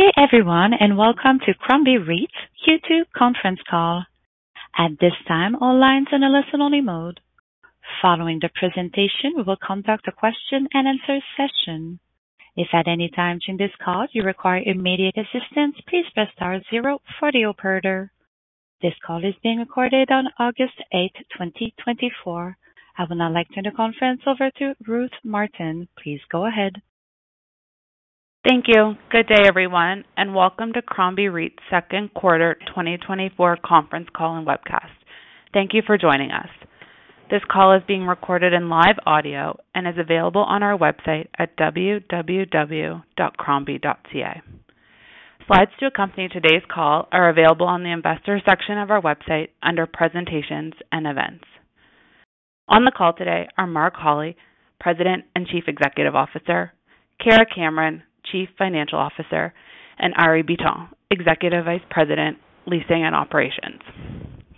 Good day, everyone, and welcome to Crombie REIT's Q2 Conference Call. At this time, all lines are in a listen-only mode. Following the presentation, we will conduct a question and answer session. If at any time during this call you require immediate assistance, please press star zero for the operator. This call is being recorded on August 8, 2024. I will now like to turn the conference over to Ruth Martin. Please go ahead. Thank you. Good day, everyone, and welcome to Crombie REIT's Second Quarter 2024 Conference Call and Webcast. Thank you for joining us. This call is being recorded in live audio and is available on our website at www.crombie.ca. Slides to accompany today's call are available on the Investors section of our website under Presentations and Events. On the call today are Mark Hawley, President and Chief Executive Officer, Kara Cameron, Chief Financial Officer, and Arie Bitton, Executive Vice President, Leasing and Operations.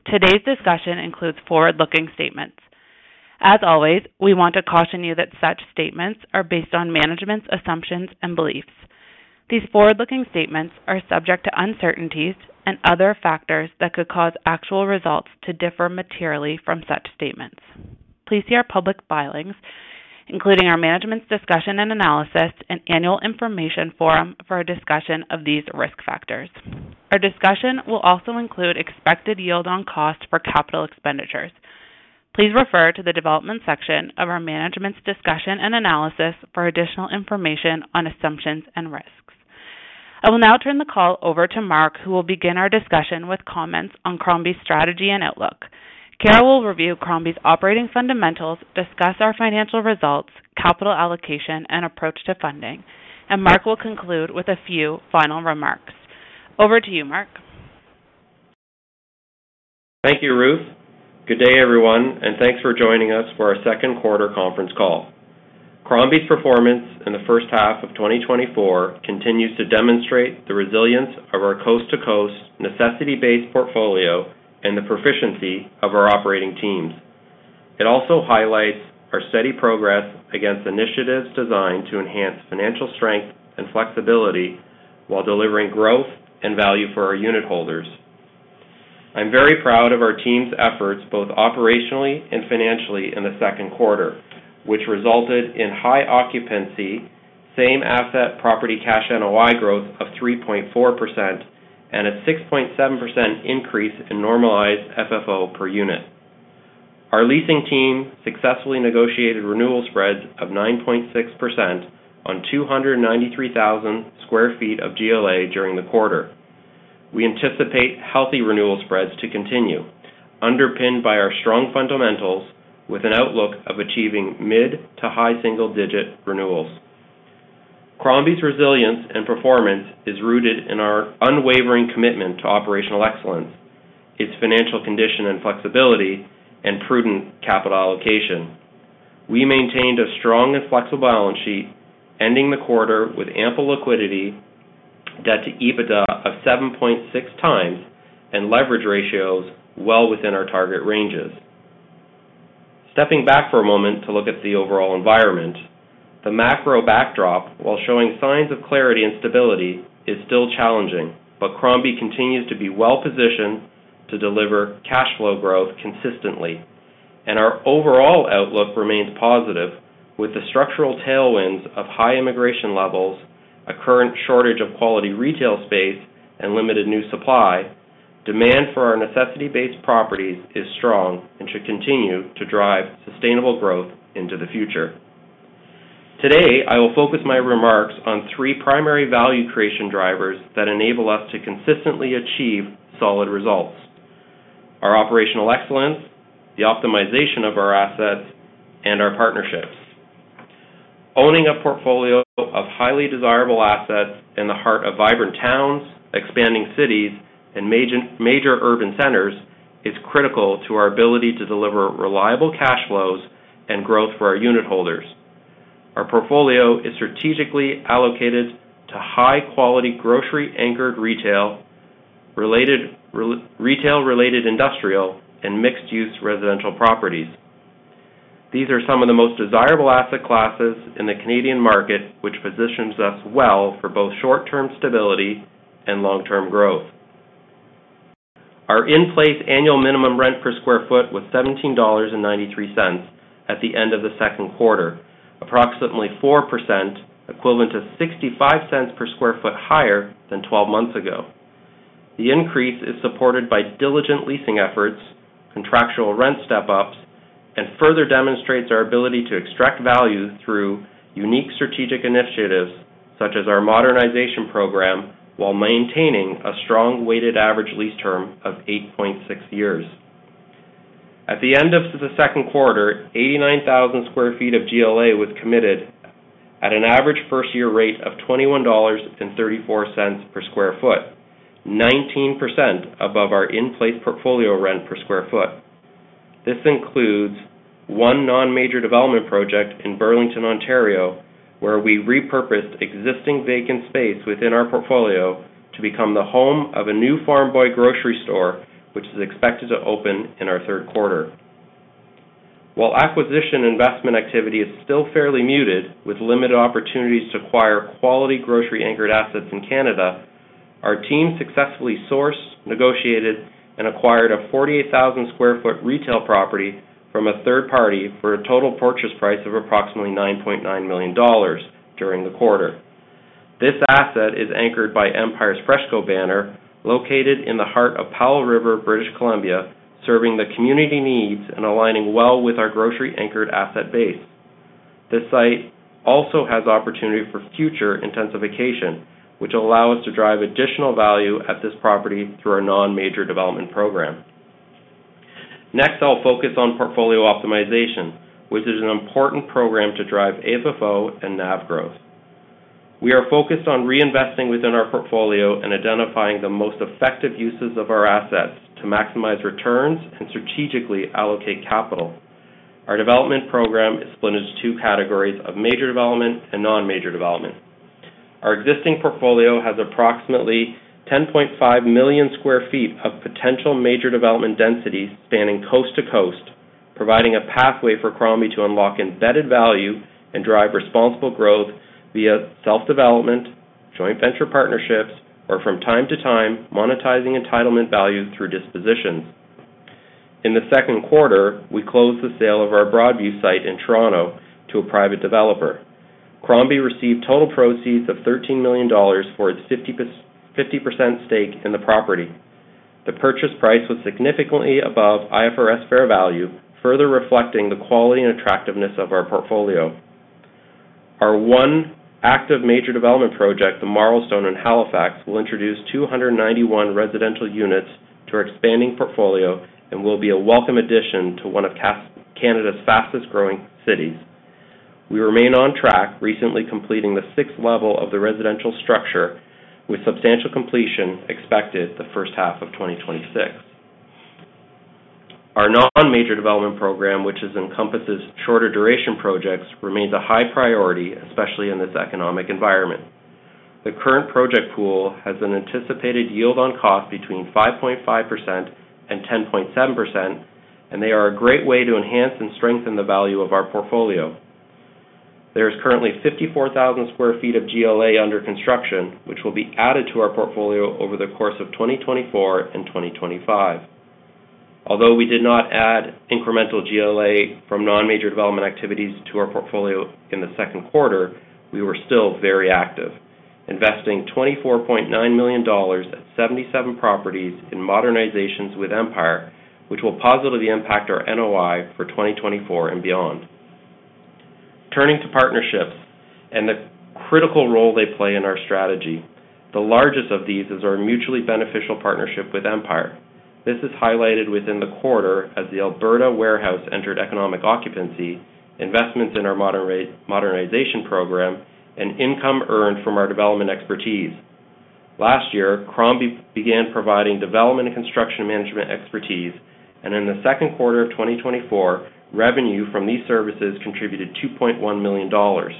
Today's discussion includes forward-looking statements. As always, we want to caution you that such statements are based on management's assumptions and beliefs. These forward-looking statements are subject to uncertainties and other factors that could cause actual results to differ materially from such statements. Please see our public filings, including our management's discussion and analysis and annual information form for a discussion of these risk factors. Our discussion will also include expected yield on cost for capital expenditures. Please refer to the development section of our management's discussion and analysis for additional information on assumptions and risks. I will now turn the call over to Mark, who will begin our discussion with comments on Crombie's strategy and outlook. Kara will review Crombie's operating fundamentals, discuss our financial results, capital allocation, and approach to funding, and Mark will conclude with a few final remarks. Over to you, Mark. Thank you, Ruth. Good day, everyone, and thanks for joining us for our second quarter conference call. Crombie's performance in the first half of 2024 continues to demonstrate the resilience of our coast-to-coast, necessity-based portfolio and the proficiency of our operating teams. It also highlights our steady progress against initiatives designed to enhance financial strength and flexibility while delivering growth and value for our unitholders. I'm very proud of our team's efforts, both operationally and financially, in the second quarter, which resulted in high occupancy, same asset property cash NOI growth of 3.4%, and a 6.7% increase in normalized FFO per unit. Our leasing team successfully negotiated renewal spreads of 9.6% on 293,000 sq ft of GLA during the quarter. We anticipate healthy renewal spreads to continue, underpinned by our strong fundamentals with an outlook of achieving mid- to high single-digit renewals. Crombie's resilience and performance is rooted in our unwavering commitment to operational excellence, its financial condition and flexibility, and prudent capital allocation. We maintained a strong and flexible balance sheet, ending the quarter with ample liquidity, debt to EBITDA of 7.6x, and leverage ratios well within our target ranges. Stepping back for a moment to look at the overall environment, the macro backdrop, while showing signs of clarity and stability, is still challenging, but Crombie continues to be well-positioned to deliver cash flow growth consistently, and our overall outlook remains positive. With the structural tailwinds of high immigration levels, a current shortage of quality retail space, and limited new supply, demand for our necessity-based properties is strong and should continue to drive sustainable growth into the future. Today, I will focus my remarks on three primary value creation drivers that enable us to consistently achieve solid results: our operational excellence, the optimization of our assets, and our partnerships. Owning a portfolio of highly desirable assets in the heart of vibrant towns, expanding cities, and major, major urban centers is critical to our ability to deliver reliable cash flows and growth for our unitholders. Our portfolio is strategically allocated to high-quality, grocery-anchored retail, retail-related industrial, and mixed-use residential properties. These are some of the most desirable asset classes in the Canadian market, which positions us well for both short-term stability and long-term growth. Our in-place annual minimum rent per sq ft was 17.93 at the end of the second quarter, approximately 4%, equivalent to 0.65 per sq ft higher than 12 months ago. The increase is supported by diligent leasing efforts, contractual rent step-ups, and further demonstrates our ability to extract value through unique strategic initiatives, such as our modernization program, while maintaining a strong weighted average lease term of 8.6 years. At the end of the second quarter, 89,000 sq ft of GLA was committed at an average first-year rate of 21.34 dollars per sq ft, 19% above our in-place portfolio rent per sq ft. This includes one non-major development project in Burlington, Ontario, where we repurposed existing vacant space within our portfolio to become the home of a new Farm Boy grocery store, which is expected to open in our third quarter. While acquisition investment activity is still fairly muted, with limited opportunities to acquire quality grocery-anchored assets in Canada, our team successfully sourced, negotiated, and acquired a 48,000 sq ft retail property from a third party for a total purchase price of approximately 9.9 million dollars during the quarter. This asset is anchored by Empire's FreshCo banner, located in the heart of Powell River, British Columbia, serving the community needs and aligning well with our grocery-anchored asset base. This site also has opportunity for future intensification, which will allow us to drive additional value at this property through our non-major development program. Next, I'll focus on portfolio optimization, which is an important program to drive AFFO and NAV growth. We are focused on reinvesting within our portfolio and identifying the most effective uses of our assets to maximize returns and strategically allocate capital. Our development program is split into two categories of major development and non-major development. Our existing portfolio has approximately 10.5 million sq ft of potential major development densities spanning coast to coast, providing a pathway for Crombie to unlock embedded value and drive responsible growth via self-development, joint venture partnerships, or from time to time, monetizing entitlement values through dispositions. In the second quarter, we closed the sale of our Broadview site in Toronto to a private developer. Crombie received total proceeds of 13 million dollars for its 50/50 percent stake in the property. The purchase price was significantly above IFRS fair value, further reflecting the quality and attractiveness of our portfolio. Our one active major development project, The Marlstone in Halifax, will introduce 291 residential units to our expanding portfolio and will be a welcome addition to one of Canada's fastest-growing cities. We remain on track, recently completing the 6th level of the residential structure, with substantial completion expected the first half of 2026. Our non-major development program, which encompasses shorter duration projects, remains a high priority, especially in this economic environment. The current project pool has an anticipated yield on cost between 5.5% and 10.7%, and they are a great way to enhance and strengthen the value of our portfolio. There is currently 54,000 sq ft of GLA under construction, which will be added to our portfolio over the course of 2024 and 2025. Although we did not add incremental GLA from non-major development activities to our portfolio in the second quarter, we were still very active, investing 24.9 million dollars at 77 properties in modernizations with Empire, which will positively impact our NOI for 2024 and beyond. Turning to partnerships and the critical role they play in our strategy, the largest of these is our mutually beneficial partnership with Empire. This is highlighted within the quarter as the Alberta warehouse entered economic occupancy, investments in our modernization program, and income earned from our development expertise. Last year, Crombie began providing development and construction management expertise, and in the second quarter of 2024, revenue from these services contributed 2.1 million dollars.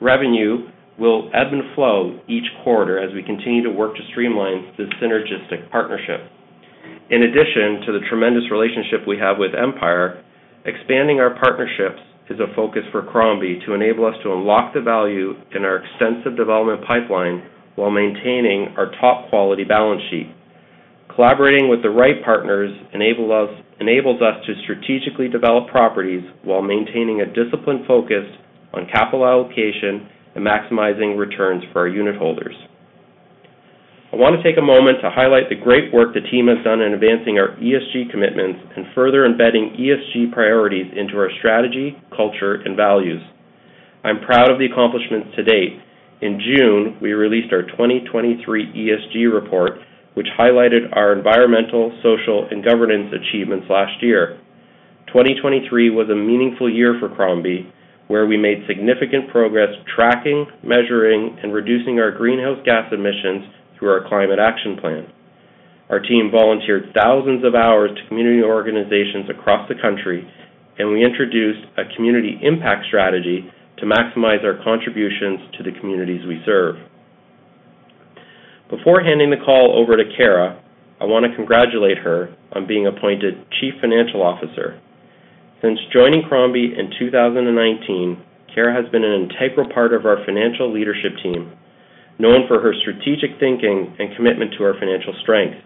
Revenue will ebb and flow each quarter as we continue to work to streamline this synergistic partnership. In addition to the tremendous relationship we have with Empire, expanding our partnerships is a focus for Crombie to enable us to unlock the value in our extensive development pipeline while maintaining our top-quality balance sheet. Collaborating with the right partners enables us to strategically develop properties while maintaining a disciplined focus on capital allocation and maximizing returns for our unitholders. I want to take a moment to highlight the great work the team has done in advancing our ESG commitments and further embedding ESG priorities into our strategy, culture, and values. I'm proud of the accomplishments to date. In June, we released our 2023 ESG report, which highlighted our environmental, social, and governance achievements last year. 2023 was a meaningful year for Crombie, where we made significant progress tracking, measuring, and reducing our greenhouse gas emissions through our Climate Action Plan. Our team volunteered thousands of hours to community organizations across the country, and we introduced a community impact strategy to maximize our contributions to the communities we serve. Before handing the call over to Kara, I want to congratulate her on being appointed Chief Financial Officer. Since joining Crombie in 2019, Kara has been an integral part of our Financial Leadership team, known for her strategic thinking and commitment to our financial strength.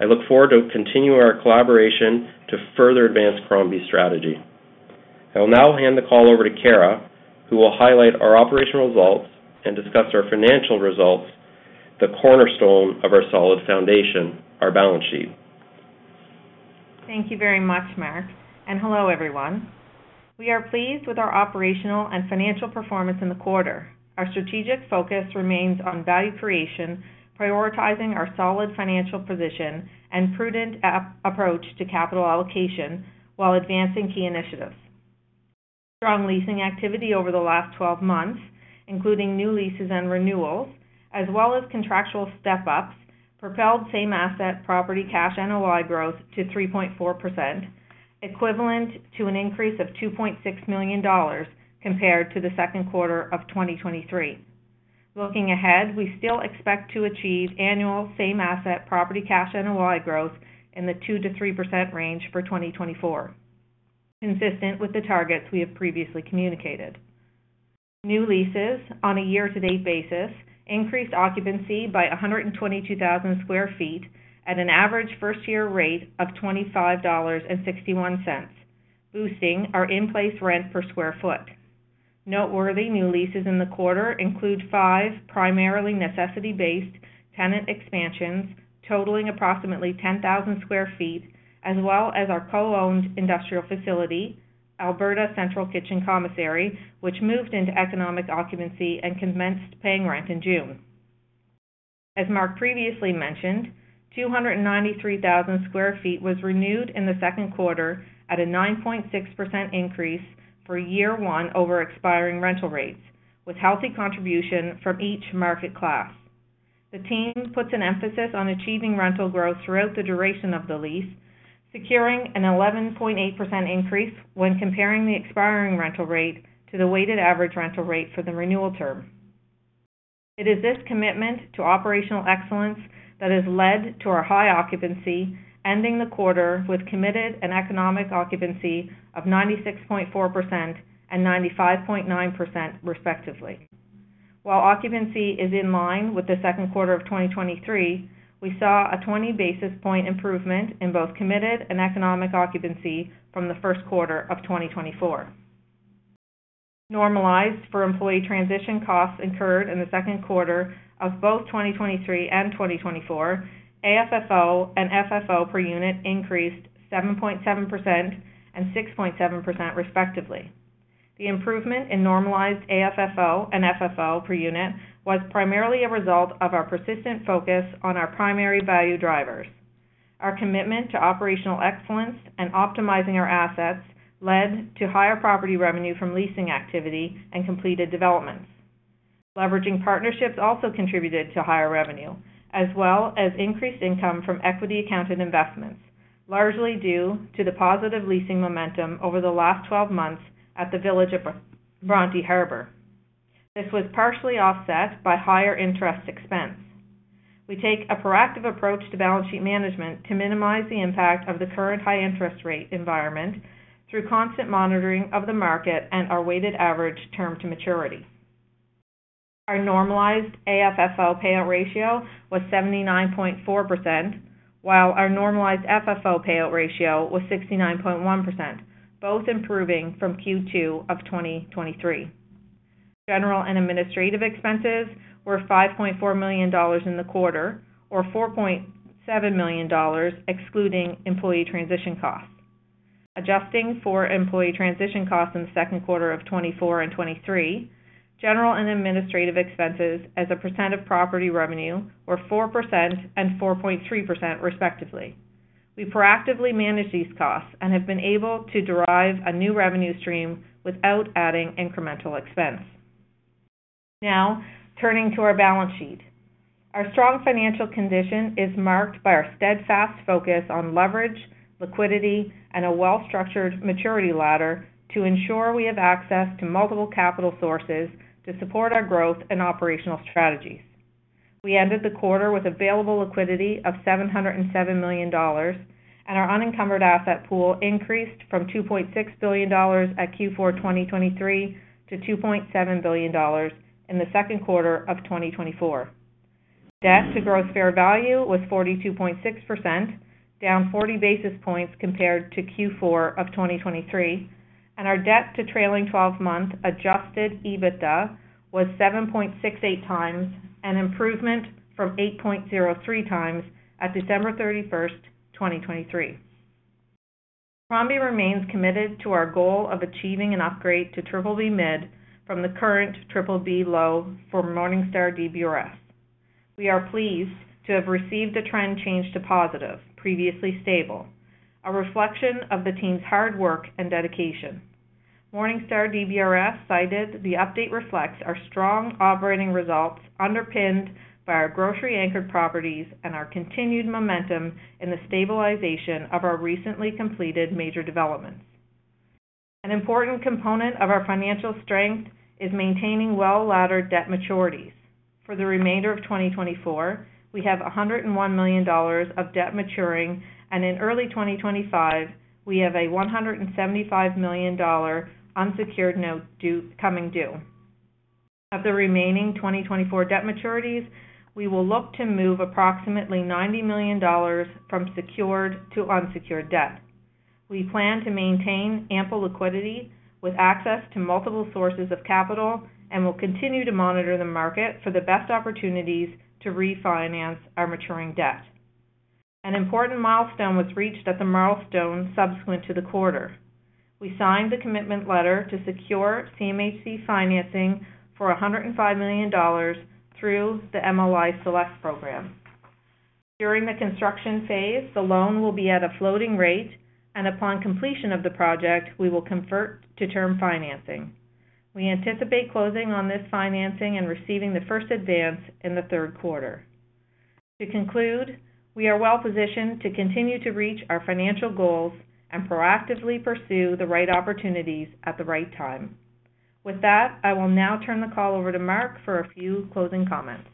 I look forward to continuing our collaboration to further advance Crombie's strategy. I will now hand the call over to Kara, who will highlight our operational results and discuss our financial results, the cornerstone of our solid foundation, our balance sheet. Thank you very much, Mark, and hello, everyone. We are pleased with our operational and financial performance in the quarter. Our strategic focus remains on value creation, prioritizing our solid financial position, and prudent approach to capital allocation while advancing key initiatives. Strong leasing activity over the last 12 months, including new leases and renewals, as well as contractual step-ups, propelled same asset property cash and NOI growth to 3.4%, equivalent to an increase of 2.6 million dollars compared to the second quarter of 2023. Looking ahead, we still expect to achieve annual same asset property cash and NOI growth in the 2%-3% range for 2024, consistent with the targets we have previously communicated. New leases on a year-to-date basis increased occupancy by 122,000 sq ft at an average first-year rate of 25.61 dollars, boosting our in-place rent per square foot. Noteworthy new leases in the quarter include 5, primarily necessity-based tenant expansions, totaling approximately 10,000 sq ft, as well as our co-owned industrial facility, Alberta Central Kitchen Commissary, which moved into economic occupancy and commenced paying rent in June. As Mark previously mentioned, 293,000 sq ft was renewed in the second quarter at a 9.6% increase for year one over expiring rental rates, with healthy contribution from each market class. The team puts an emphasis on achieving rental growth throughout the duration of the lease, securing an 11.8% increase when comparing the expiring rental rate to the weighted average rental rate for the renewal term. It is this commitment to operational excellence that has led to our high occupancy, ending the quarter with committed and economic occupancy of 96.4% and 95.9%, respectively. While occupancy is in line with the second quarter of 2023, we saw a 20 basis point improvement in both committed and economic occupancy from the first quarter of 2024. Normalized for employee transition costs incurred in the second quarter of both 2023 and 2024, AFFO and FFO per unit increased 7.7% and 6.7%, respectively. The improvement in normalized AFFO and FFO per unit was primarily a result of our persistent focus on our primary value drivers. Our commitment to operational excellence and optimizing our assets led to higher property revenue from leasing activity and completed developments. Leveraging partnerships also contributed to higher revenue, as well as increased income from equity accounted investments, largely due to the positive leasing momentum over the last 12 months at the Village at Bronte Harbour. This was partially offset by higher interest expense. We take a proactive approach to balance sheet management to minimize the impact of the current high interest rate environment through constant monitoring of the market and our weighted average term to maturity. Our normalized AFFO payout ratio was 79.4%, while our normalized FFO payout ratio was 69.1%, both improving from Q2 of 2023. General and administrative expenses were 5.4 million dollars in the quarter, or 4.7 million dollars, excluding employee transition costs. Adjusting for employee transition costs in the second quarter of 2024 and 2023, general and administrative expenses as a percent of property revenue were 4% and 4.3%, respectively. We proactively manage these costs and have been able to derive a new revenue stream without adding incremental expense. Now, turning to our balance sheet. Our strong financial condition is marked by our steadfast focus on leverage, liquidity, and a well-structured maturity ladder to ensure we have access to multiple capital sources to support our growth and operational strategies. We ended the quarter with available liquidity of 707 million dollars, and our unencumbered asset pool increased from 2.6 billion dollars at Q4 2023, to 2.7 billion dollars in the second quarter of 2024. Debt to gross fair value was 42.6%, down 40 basis points compared to Q4 of 2023, and our debt to trailing twelve-month adjusted EBITDA was 7.68x, an improvement from 8.03x at December 31st, 2023. Crombie remains committed to our goal of achieving an upgrade to BBB mid from the current BBB low for Morningstar DBRS. We are pleased to have received a trend change to positive, previously stable, a reflection of the team's hard work and dedication. Morningstar DBRS cited the update reflects our strong operating results, underpinned by our grocery-anchored properties and our continued momentum in the stabilization of our recently completed major developments. An important component of our financial strength is maintaining well-laddered debt maturities. For the remainder of 2024, we have 101 million dollars of debt maturing, and in early 2025, we have a 175 million dollar unsecured note due, coming due. Of the remaining 2024 debt maturities, we will look to move approximately 90 million dollars from secured to unsecured debt. We plan to maintain ample liquidity with access to multiple sources of capital, and will continue to monitor the market for the best opportunities to refinance our maturing debt. An important milestone was reached at The Marlstone subsequent to the quarter. We signed the commitment letter to secure CMHC financing for 105 million dollars through the MLI Select program. During the construction phase, the loan will be at a floating rate, and upon completion of the project, we will convert to term financing. We anticipate closing on this financing and receiving the first advance in the third quarter. To conclude, we are well positioned to continue to reach our financial goals and proactively pursue the right opportunities at the right time. With that, I will now turn the call over to Mark for a few closing comments.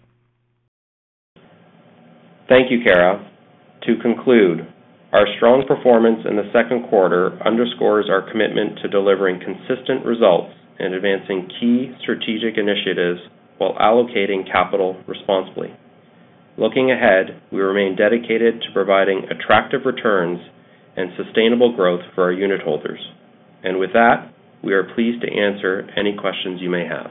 Thank you, Kara. To conclude, our strong performance in the second quarter underscores our commitment to delivering consistent results and advancing key strategic initiatives while allocating capital responsibly. Looking ahead, we remain dedicated to providing attractive returns and sustainable growth for our unitholders. With that, we are pleased to answer any questions you may have.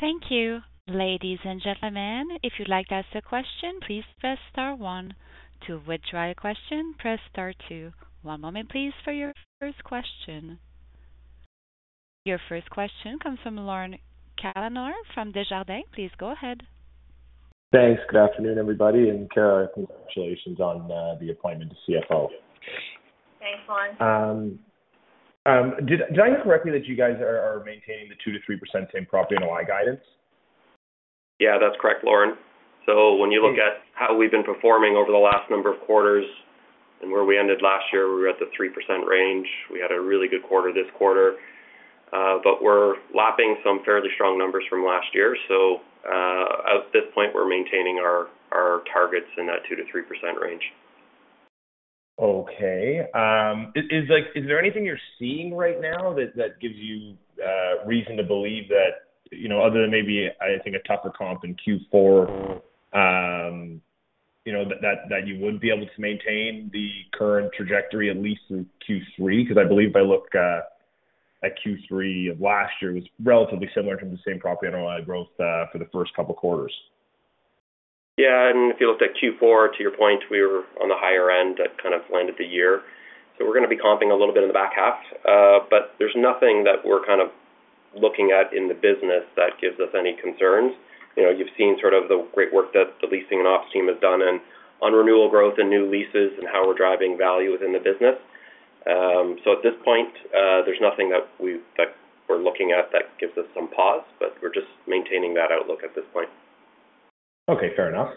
Thank you. Ladies and gentlemen, if you'd like to ask a question, please press star one. To withdraw your question, press star two. One moment, please, for your first question. Your first question comes from Lorne Kalmar from Desjardins. Please go ahead. Thanks. Good afternoon, everybody, and Kara, congratulations on the appointment to CFO. Thanks, Lorne. Did I hear correctly that you guys are maintaining the 2%-3% same property NOI guidance? Yeah, that's correct, Lorne. So when you look at how we've been performing over the last number of quarters and where we ended last year, we were at the 3% range. We had a really good quarter this quarter, but we're lapping some fairly strong numbers from last year. So, at this point, we're maintaining our targets in that 2%-3% range. Okay. Is there anything you're seeing right now that gives you reason to believe that, you know, other than maybe, I think, a tougher comp in Q4, you know, that you would be able to maintain the current trajectory at least in Q3? Because I believe if I look at Q3 of last year, it was relatively similar to the same property NOI growth for the first couple quarters. Yeah, and if you looked at Q4, to your point, we were on the higher end at kind of end of the year. So we're going to be comping a little bit in the back half. But there's nothing that we're kind of looking at in the business that gives us any concerns. You know, you've seen sort of the great work that the leasing and ops team has done on renewal growth and new leases and how we're driving value within the business. So at this point, there's nothing that we're looking at that gives us some pause, but we're just maintaining that outlook at this point. Okay, fair enough.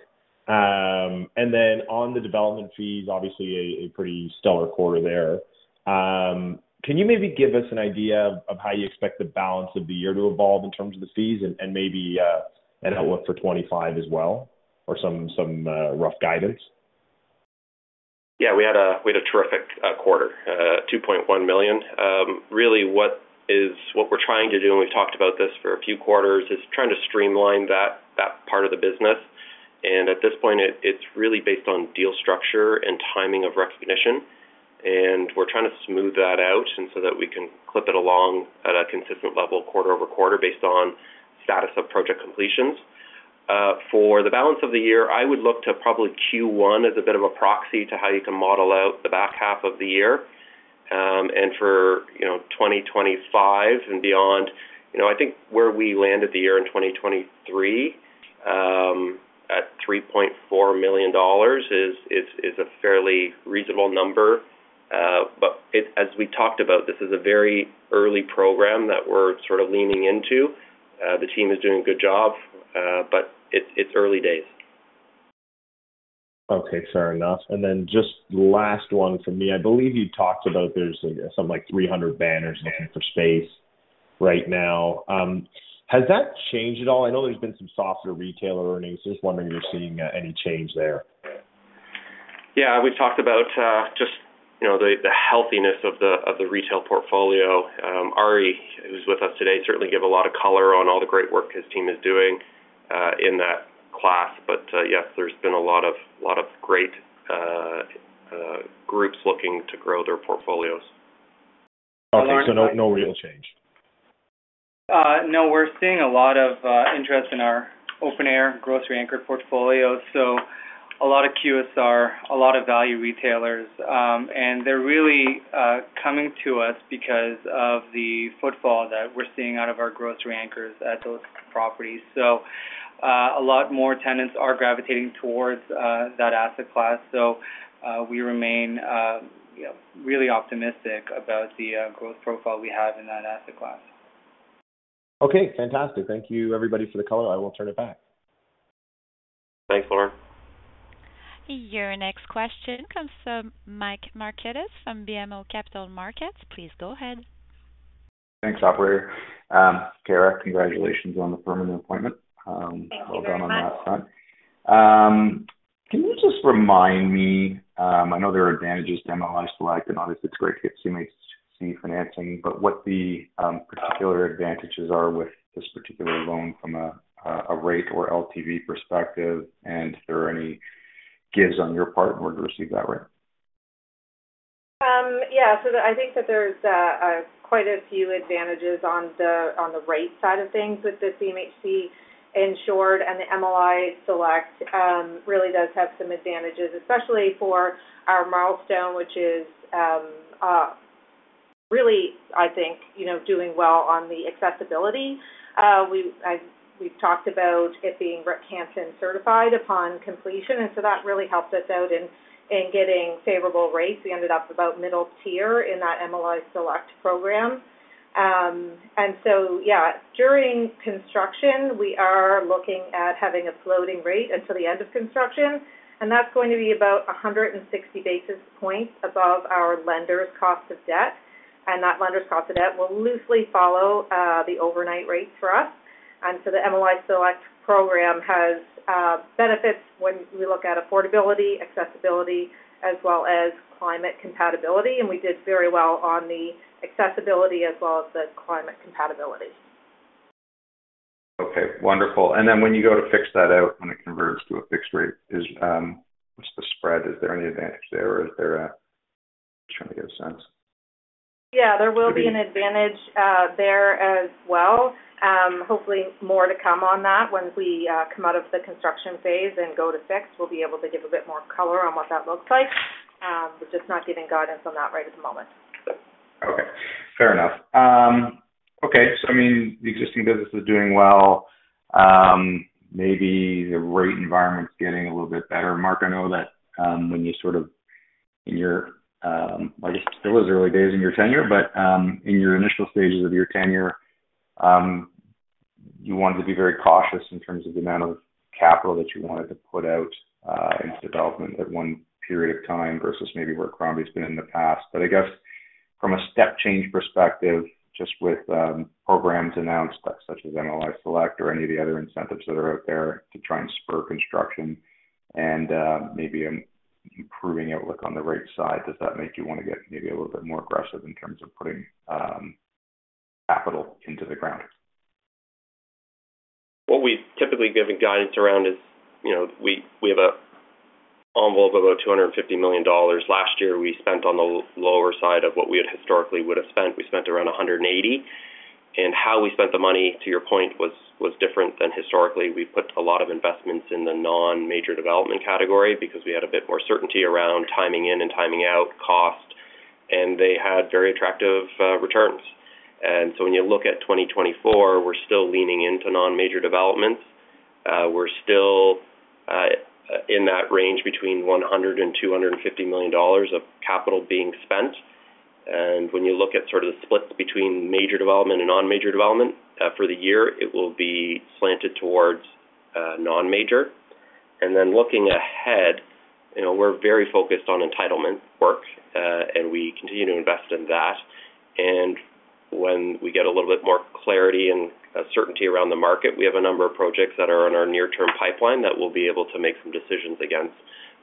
And then on the development fees, obviously a pretty stellar quarter there. Can you maybe give us an idea of how you expect the balance of the year to evolve in terms of the fees and maybe an outlook for 25 as well, or some rough guidance? Yeah, we had a terrific quarter, 2.1 million. Really, what is... What we're trying to do, and we've talked about this for a few quarters, is trying to streamline that part of the business. And at this point, it's really based on deal structure and timing of recognition, and we're trying to smooth that out and so that we can clip it along at a consistent level quarter over quarter, based on status of project completions. For the balance of the year, I would look to probably Q1 as a bit of a proxy to how you can model out the back half of the year. And for, you know, 2025 and beyond, you know, I think where we landed the year in 2023 at 3.4 million dollars is a fairly reasonable number. But it, as we talked about, this is a very early program that we're sort of leaning into. The team is doing a good job, but it's early days. Okay, fair enough. And then just last one from me. I believe you talked about there's something like 300 banners looking for space right now. Has that changed at all? I know there's been some softer retailer earnings. Just wondering if you're seeing any change there. Yeah, we talked about just, you know, the healthiness of the retail portfolio. Arie, who's with us today, certainly give a lot of color on all the great work his team is doing in that class. But yes, there's been a lot of great groups looking to grow their portfolios. Okay. So no, no real change? No, we're seeing a lot of interest in our open air grocery anchor portfolio. So a lot of QSR, a lot of value retailers, and they're really coming to us because of the footfall that we're seeing out of our grocery anchors at those properties. So, a lot more tenants are gravitating towards that asset class. So, we remain, you know, really optimistic about the growth profile we have in that asset class. Okay, fantastic. Thank you, everybody, for the color. I will turn it back. Thanks, Lorne. Your next question comes from Mike Markidis, from BMO Capital Markets. Please go ahead. Thanks, operator. Kara, congratulations on the permanent appointment. Thank you very much. Well done on that front. Can you just remind me? I know there are advantages to MLI Select, and obviously it's great to get CMHC financing, but what the particular advantages are with this particular loan from a rate or LTV perspective, and are there any gives on your part in order to receive that rate? Yeah. So I think that there's quite a few advantages on the rate side of things with the CMHC insured, and the MLI Select really does have some advantages, especially for our Marlstone, which is really, I think, you know, doing well on the accessibility. We've talked about it being Rick Hansen certified upon completion, and so that really helped us out in getting favorable rates. We ended up about middle tier in that MLI Select program. So, yeah, during construction, we are looking at having a floating rate until the end of construction, and that's going to be about 160 basis points above our lender's cost of debt. And that lender's cost of debt will loosely follow the overnight rate for us. And so the MLI Select program has benefits when we look at affordability, accessibility, as well as climate compatibility, and we did very well on the accessibility as well as the climate compatibility. Okay, wonderful. And then when you go to fix that out, when it converts to a fixed rate, is, what's the spread? Is there any advantage there, or is there a-- I'm trying to get a sense. Yeah, there will be an advantage, there as well. Hopefully, more to come on that. When we come out of the construction phase and go to fix, we'll be able to give a bit more color on what that looks like. But just not giving guidance on that right at the moment. Okay, fair enough. Okay, so I mean, the existing business is doing well. Maybe the rate environment's getting a little bit better. Mark, I know that, when you sort of, in your, I guess, still is early days in your tenure, but, in your initial stages of your tenure, you wanted to be very cautious in terms of the amount of capital that you wanted to put out, into development at one period of time versus maybe where Crombie's been in the past. I guess from a step change perspective, just with programs announced, such as MLI Select or any of the other incentives that are out there to try and spur construction and, maybe an improving outlook on the rate side, does that make you want to get maybe a little bit more aggressive in terms of putting capital into the ground? What we've typically given guidance around is, you know, we, we have an envelope of about 250 million dollars. Last year, we spent on the lower side of what we had historically would have spent. We spent around 180 million, and how we spent the money, to your point, was, was different than historically. We put a lot of investments in the non-major development category because we had a bit more certainty around timing in and timing out cost, and they had very attractive returns. And so when you look at 2024, we're still leaning into non-major developments. We're still in that range between 100 million dollars and 250 million dollars of capital being spent. When you look at sort of the splits between major development and non-major development, for the year, it will be slanted towards non-major. And then looking ahead, you know, we're very focused on entitlement work, and we continue to invest in that. And when we get a little bit more clarity and certainty around the market, we have a number of projects that are on our near-term pipeline that we'll be able to make some decisions against.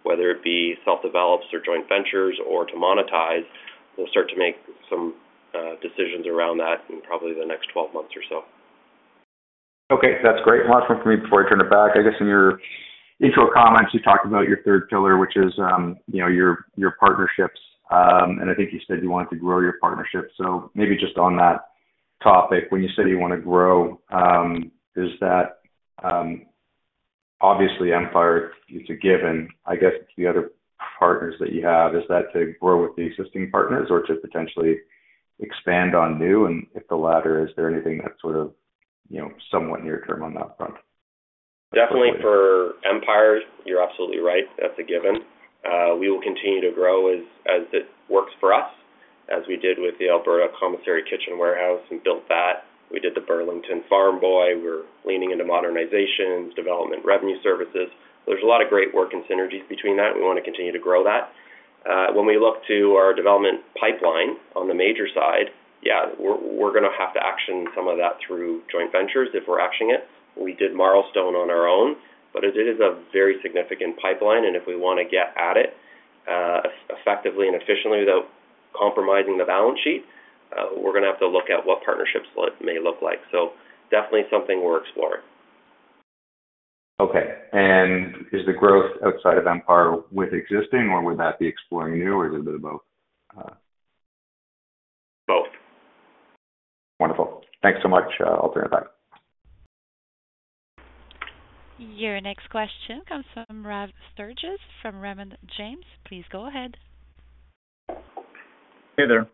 Whether it be self-developed or joint ventures or to monetize, we'll start to make some decisions around that in probably the next 12 months or so. Okay, that's great. One last one for me before I turn it back. I guess in your intro comments, you talked about your third pillar, which is, you know, your, your partnerships. And I think you said you wanted to grow your partnerships. So maybe just on that topic, when you say you want to grow, is that, obviously, Empire is a given. I guess, the other partners that you have, is that to grow with the existing partners or to potentially expand on new? And if the latter, is there anything that's sort of, you know, somewhat near term on that front? Definitely, for Empire, you're absolutely right. That's a given. We will continue to grow as, as it works for us, as we did with the Alberta Central Kitchen Commissary and built that. We did the Burlington Farm Boy. We're leaning into modernizations, development, revenue services. There's a lot of great work and synergies between that. We want to continue to grow that. When we look to our development pipeline on the major side, yeah, we're, we're going to have to action some of that through joint ventures if we're actioning it. We did Marlstone on our own, but it is a very significant pipeline, and if we want to get at it, effectively and efficiently, without compromising the balance sheet, we're going to have to look at what partnerships may look like. So definitely something we're exploring. Okay. And is the growth outside of Empire with existing, or would that be exploring new, or is it a bit of both? Both. Wonderful. Thanks so much. I'll turn it back. Your next question comes from Brad Sturges, from Raymond James. Please go ahead. Hey there.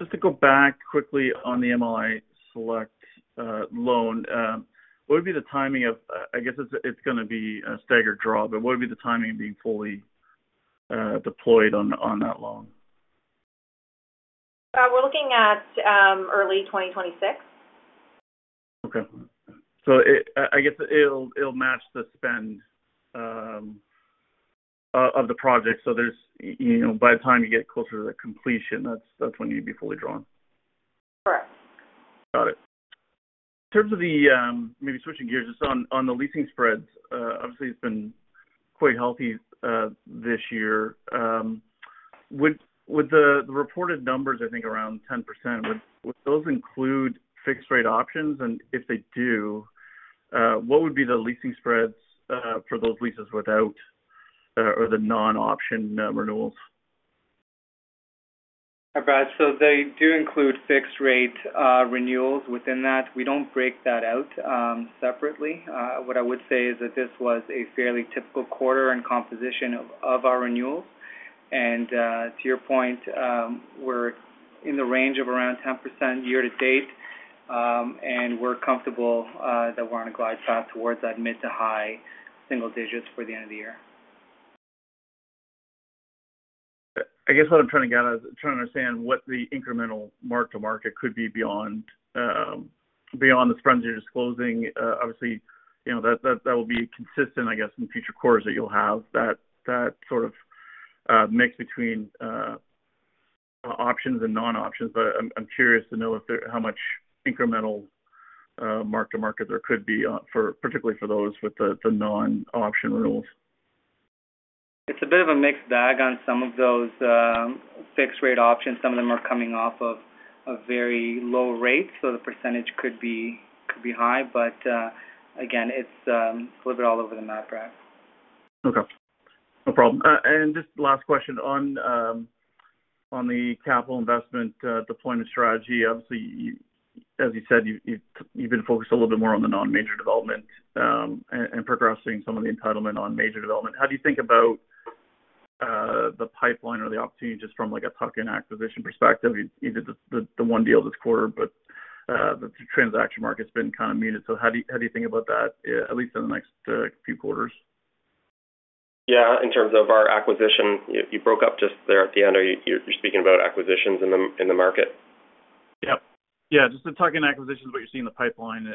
Just to go back quickly on the MLI Select, loan, what would be the timing of, I guess it's, it's going to be a staggered draw, but what would be the timing of being fully, deployed on, on that loan? We're looking at early 2026. Okay. So I guess it'll match the spend of the project. So there's, you know, by the time you get closer to the completion, that's when you'd be fully drawn. Correct. Got it. In terms of the maybe switching gears, just on the leasing spreads, obviously, it's been quite healthy this year. Would the reported numbers, I think, around 10%, would those include fixed-rate options? And if they do, what would be the leasing spreads for those leases without or the non-option renewals? Hi, Brad. So they do include fixed rate renewals within that. We don't break that out separately. What I would say is that this was a fairly typical quarter and composition of our renewals. And, to your point, we're in the range of around 10% year to date, and we're comfortable that we're on a glide path towards that mid- to high single digits for the end of the year. ... I guess what I'm trying to get at is trying to understand what the incremental mark-to-market could be beyond the spreads you're disclosing. Obviously, you know, that will be consistent, I guess, in future quarters that you'll have that sort of mix between options and non-options. But I'm curious to know if there- how much incremental mark-to-market there could be for particularly those with the non-option rules. It's a bit of a mixed bag on some of those fixed rate options. Some of them are coming off of a very low rate, so the percentage could be, could be high, but again, it's a little bit all over the map, Brad. Okay, no problem. And just last question on the capital investment deployment strategy. Obviously, you, as you said, you've been focused a little bit more on the non-major development and progressing some of the entitlement on major development. How do you think about the pipeline or the opportunity just from, like, a tuck-in acquisition perspective? You did the one deal this quarter, but the transaction market's been kind of muted. So how do you think about that, at least in the next few quarters? Yeah, in terms of our acquisition, you, you broke up just there at the end. Are you, you're speaking about acquisitions in the, in the market? Yep. Yeah, just the tuck-in acquisitions, what you're seeing in the pipeline.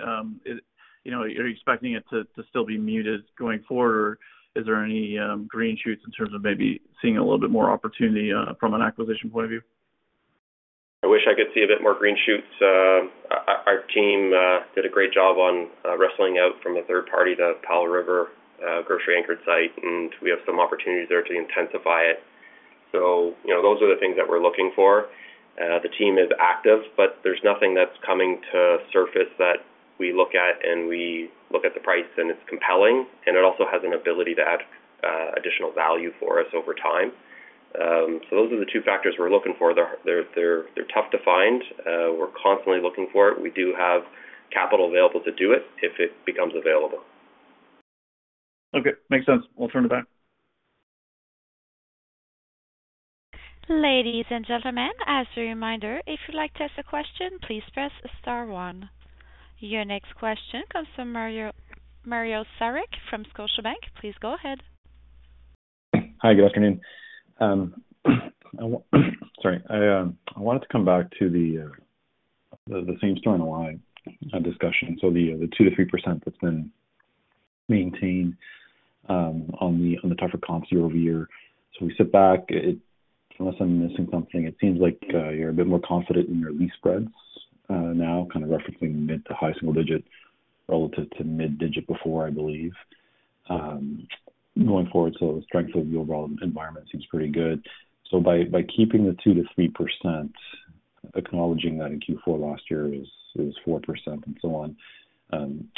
Is, you know, are you expecting it to still be muted going forward, or is there any green shoots in terms of maybe seeing a little bit more opportunity from an acquisition point of view? I wish I could see a bit more green shoots. Our team did a great job on wrestling out from a third party, the Powell River grocery anchored site, and we have some opportunities there to intensify it. So, you know, those are the things that we're looking for. The team is active, but there's nothing that's coming to surface that we look at, and we look at the price, and it's compelling, and it also has an ability to add additional value for us over time. So those are the two factors we're looking for. They're tough to find. We're constantly looking for it. We do have capital available to do it if it becomes available. Okay, makes sense. I'll turn it back. Ladies and gentlemen, as a reminder, if you'd like to ask a question, please press star one. Your next question comes from Mario, Mario Saric from Scotiabank. Please go ahead. Hi, good afternoon. Sorry. I wanted to come back to the same store line of discussion. So the 2%-3% that's been maintained on the tougher comps year-over-year. So we sit back, unless I'm missing something, it seems like you're a bit more confident in your lease spreads now, kind of referencing mid- to high-single digits relative to mid-digit before, I believe. Going forward, so the strength of the overall environment seems pretty good. So by keeping the 2%-3%, acknowledging that in Q4 last year is 4%, and so on,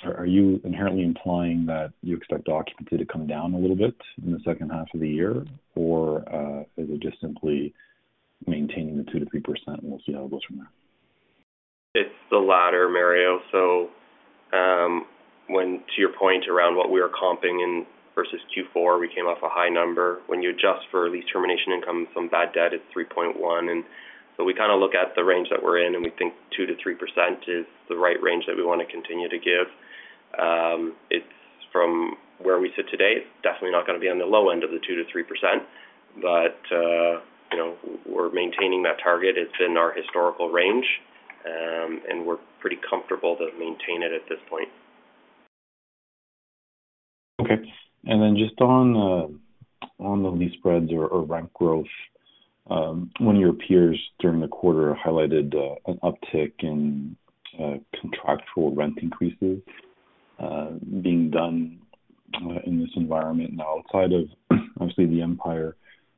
are you inherently implying that you expect occupancy to come down a little bit in the second half of the year? Or, is it just simply maintaining the 2%-3%, and we'll see how it goes from there? It's the latter, Mario. So, when to your point around what we are comping in versus Q4, we came off a high number. When you adjust for lease termination income from bad debt, it's 3.1, and so we kind of look at the range that we're in, and we think 2%-3% is the right range that we want to continue to give. It's from where we sit today, it's definitely not going to be on the low end of the 2%-3%, but, you know, we're maintaining that target. It's in our historical range, and we're pretty comfortable to maintain it at this point. Okay. And then just on the lease spreads or rent growth, one of your peers during the quarter highlighted an uptick in contractual rent increases being done in this environment. Now, outside of, obviously, the Empire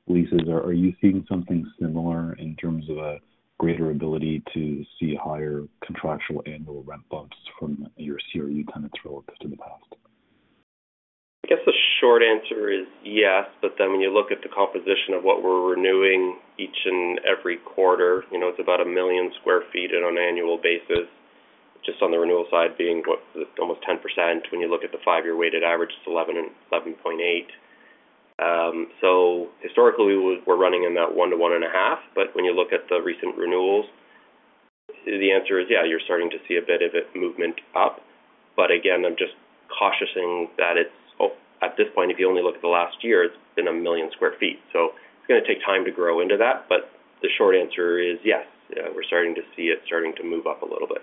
leases, are you seeing something similar in terms of a greater ability to see higher contractual annual rent bumps from your CRE tenants relative to the past? I guess the short answer is yes, but then when you look at the composition of what we're renewing each and every quarter, you know, it's about 1 million sq ft, and on an annual basis, just on the renewal side, being what? Almost 10%. When you look at the five-year weighted average, it's 11 and 11.8. So historically, we're running in that 1% to 1.5%, but when you look at the recent renewals, the answer is yeah, you're starting to see a bit of a movement up. But again, I'm just cautioning that it's, oh, at this point, if you only look at the last year, it's been 1 million sq ft. So it's going to take time to grow into that. But the short answer is yes, we're starting to see it starting to move up a little bit.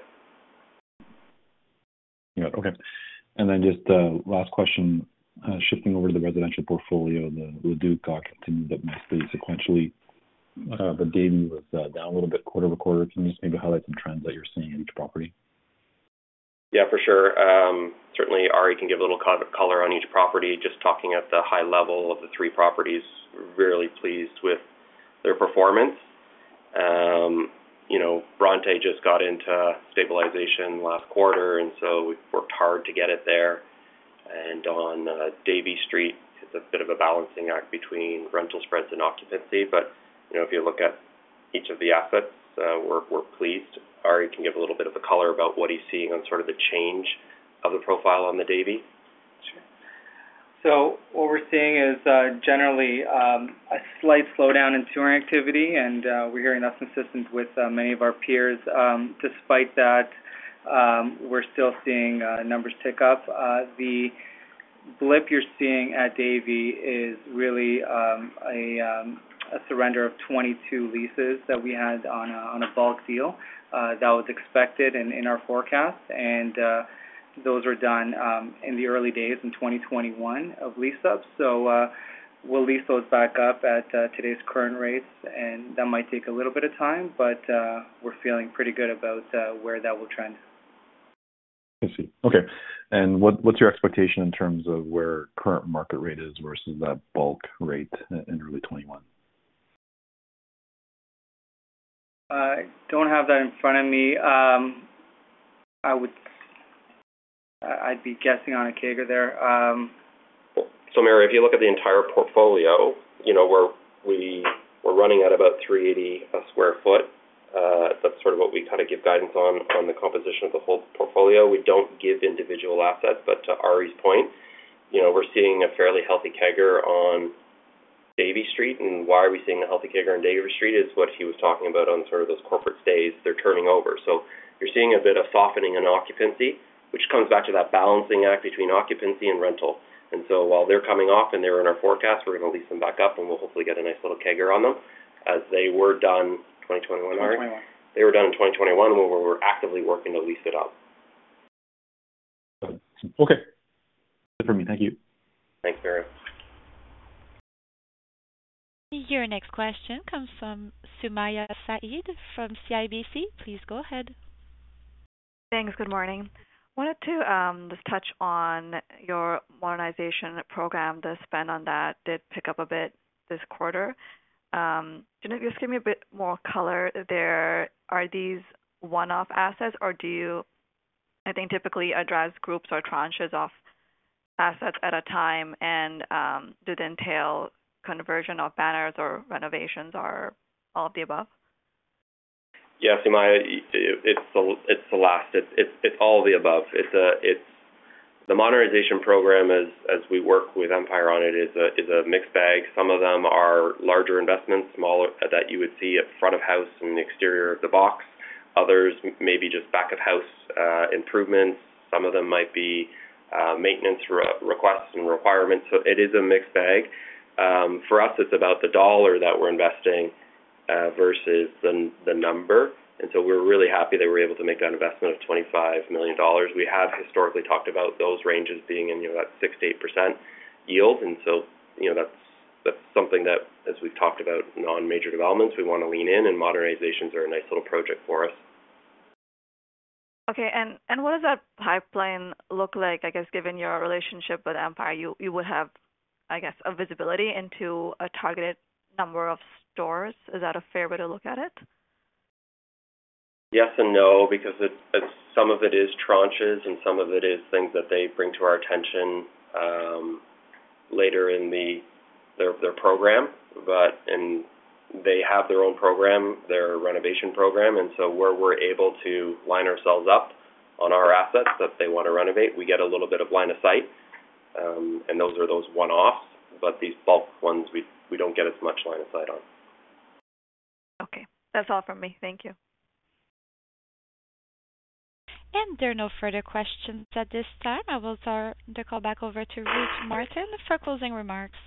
Yeah. Okay. And then just, last question, shifting over to the residential portfolio, The Duke continued a bit nicely sequentially, but Davie was, down a little bit quarter-over-quarter. Can you just maybe highlight some trends that you're seeing in each property? Yeah, for sure. Certainly, Arie can give a little color on each property. Just talking at the high level of the three properties, we're really pleased with their performance. You know, Bronte just got into stabilization last quarter, and so we've worked hard to get it there. And on Davie Street, it's a bit of a balancing act between rental spreads and occupancy, but you know, if you look at each of the assets, we're pleased. Arie can give a little bit of the color about what he's seeing on sort of the change of the profile on the Davie. Sure. So what we're seeing is, generally, a slight slowdown in touring activity, and, we're hearing that's consistent with, many of our peers. Despite that, we're still seeing, numbers tick up. The blip you're seeing at Davie is really, a, a surrender of 22 leases that we had on a, on a bulk deal. That was expected and in our forecast, and, those are done, in the early days in 2021 of lease-up. So, we'll lease those back up at, today's current rates, and that might take a little bit of time, but, we're feeling pretty good about, where that will trend. I see. Okay, and what, what's your expectation in terms of where current market rate is versus that bulk rate in early 2021? I don't have that in front of me. I would, I, I'd be guessing on a CAGR there, So, Mario, if you look at the entire portfolio, you know, where we're running at about 3.80/sq ft. That's sort of what we kind of give guidance on, on the composition of the whole portfolio. We don't give individual assets, but to Arie's point, you know, we're seeing a fairly healthy CAGR on Davie Street. And why are we seeing a healthy CAGR on Davie Street? Is what he was talking about on sort of those corporate stays they're turning over. So you're seeing a bit of softening in occupancy, which comes back to that balancing act between occupancy and rental. And so while they're coming off and they're in our forecast, we're going to lease them back up, and we'll hopefully get a nice little CAGR on them, as they were done, 2021, Arie? 2021. They were done in 2021, where we're actively working to lease it up. Okay. Good for me. Thank you. Thanks, Mario. Your next question comes from Sumayya Syed from CIBC. Please go ahead. Thanks. Good morning. Wanted to just touch on your modernization program. The spend on that did pick up a bit this quarter. Can you just give me a bit more color there? Are these one-off assets, or do you, I think, typically address groups or tranches of assets at a time, and do they entail conversion of banners or renovations or all of the above? Yeah, Sumayya, it's the last. It's all the above. It's the modernization program as we work with Empire on it. It's a mixed bag. Some of them are larger investments, smaller, that you would see at front of house and the exterior of the box. Others may be just back-of-house improvements. Some of them might be maintenance requests and requirements. So it is a mixed bag. For us, it's about the dollar that we're investing versus the number. And so we're really happy that we're able to make that investment of 25 million dollars. We have historically talked about those ranges being in, you know, that 6%-8% yield. And so, you know, that's, that's something that, as we've talked about, non-major developments, we want to lean in, and modernizations are a nice little project for us. Okay. And, and what does that pipeline look like? I guess, given your relationship with Empire, you, you would have, I guess, a visibility into a targeted number of stores. Is that a fair way to look at it? Yes and no, because it's some of it is tranches, and some of it is things that they bring to our attention later in their program. But and they have their own program, their renovation program, and so where we're able to line ourselves up on our assets that they want to renovate, we get a little bit of line of sight, and those are those one-offs. But these bulk ones, we don't get as much line of sight on. Okay. That's all from me. Thank you. There are no further questions at this time. I will turn the call back over to Ruth Martin for closing remarks.